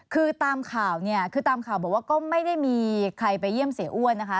คือตามข่าวเนี่ยคือตามข่าวบอกว่าก็ไม่ได้มีใครไปเยี่ยมเสียอ้วนนะคะ